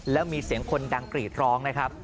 แล้วมีเสียงคนดังกรีดร้องนะครับ